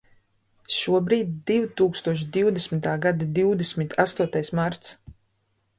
Šobrīd divtūkstoš divdesmitā gada divdesmit astotais marts.